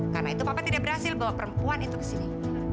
karena itu papa tidak berhasil bawa perempuan itu ke sini